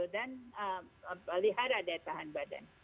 dan melihara dan tahan badan